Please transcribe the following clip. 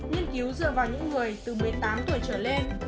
nghiên cứu dựa vào những người từ một mươi tám tuổi trở lên